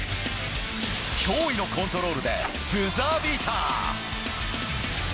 驚異のコントロールでブザービーター。